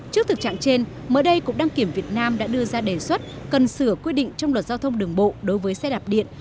trước thực trạng trên mới đây cục đăng kiểm việt nam đã đưa ra đề xuất cần sửa quy định trong luật giao thông đường bộ đối với xe đạp điện